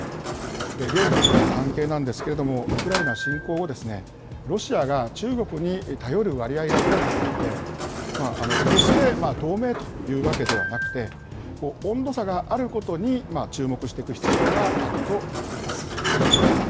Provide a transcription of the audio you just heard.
両国の関係なんですけれども、ウクライナ侵攻後、ロシアが中国に頼る割合が大きくなって、決して同盟というわけではなくて、温度差があることに注目していく必要があると思います。